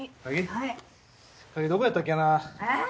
はい。